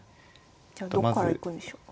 じゃあどっからいくんでしょう？